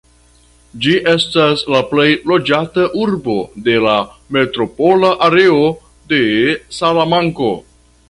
Ĝi estas la plej loĝata urbo de la metropola areo de Salamanko.